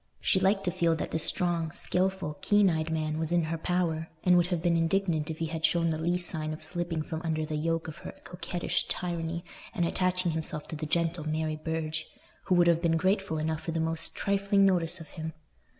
She liked to feel that this strong, skilful, keen eyed man was in her power, and would have been indignant if he had shown the least sign of slipping from under the yoke of her coquettish tyranny and attaching himself to the gentle Mary Burge, who would have been grateful enough for the most trifling notice from him.